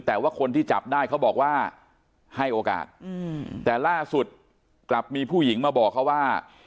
แต่ว่าคนที่จับได้เขาบอกว่าให้โอกาสแต่ล่าสุดกลับมีผู้หญิงมาบอกเขาว่า